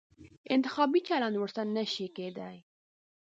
انتخابي چلند ورسره نه شي کېدای.